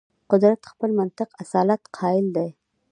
قدرت خپل منطق اصالت قایل دی.